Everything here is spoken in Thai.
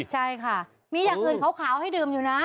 ใช่ค่ะมีอย่างอื่นขาวให้ดื่มอยู่นะ